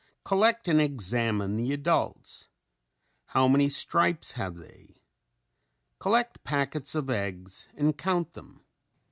Collect and examine the adults. How many stripes have they? Collect packets of eggs and count them.